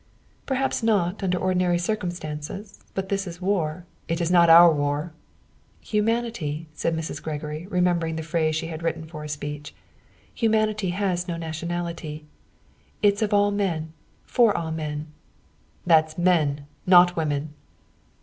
"Perhaps not, under ordinary circumstances. But this is war." "It is not our war." "Humanity," said Mrs. Gregory, remembering the phrase she had written for a speech "humanity has no nationality. It is of all men, for all men." "That's men. Not women!"